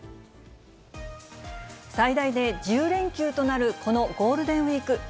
最大で１０連休となるこのゴールデンウィーク。